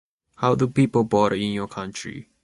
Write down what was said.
How do people [unclear|bore/born] in your country?